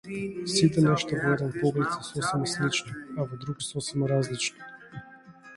Сите нешта во еден поглед се сосема слични, а во друг сосема различни.